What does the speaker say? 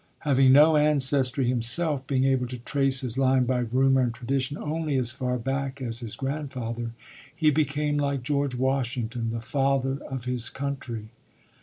Having no ancestry himself, being able to trace his line by rumor and tradition only as far back as his grandfather, he became, like George Washington, the Father of his Country.